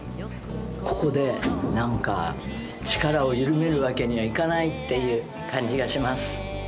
ここでなんか、力を緩めるわけにはいかないっていう感じがします。